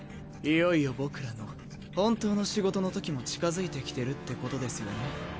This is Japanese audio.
いよいよ僕らの本当の仕事の時も近づいてきてるってことですよね？